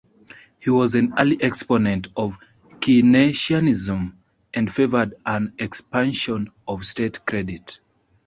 He was an early exponent of Keynesianism and favoured an expansion of state credit.